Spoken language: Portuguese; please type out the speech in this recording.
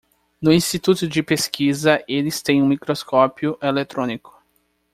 No instituto de pesquisa, eles têm um microscópio eletrônico.